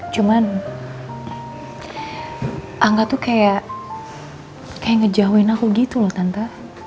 cuman angga tuh kayak ngejauhin aku gitu loh tante